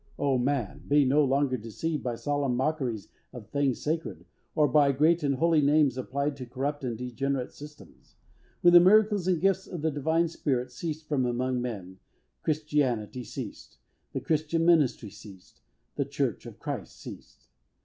O man! be no longer deceived by solemn mockeries of things sacred, or by great and holy names applied to corrupt and degenerate systems. When the miracles and gifts of the divine Spirit ceased from among men, Christianity ceased, the Christian ministry ceased, the Church of Christ ceased.